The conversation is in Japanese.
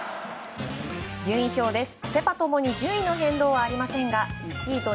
順位表です。